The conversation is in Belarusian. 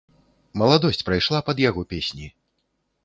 Маладосць прайшла пад яго песні.